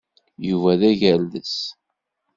Yuba d agerdes.